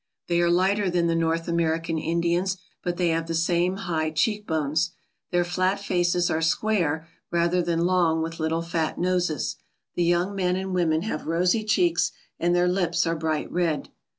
They are lighter than the North American Indians but they have the same high cheekbones. Their flat faces are square rather than long with little fat noses. The young men and women have rosy cheeks, and their lips are bright red.